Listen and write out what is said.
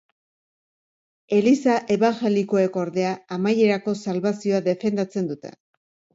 Eliza ebanjelikoek, ordea, amaierako salbazioa defendatzen dute.